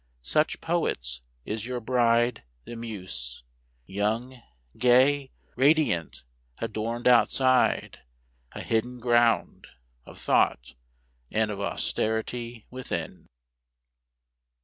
Such, poets, is your bride, the Muse! young, gay, Radiant, adorned outside; a hidden ground Of thought and of austerity within.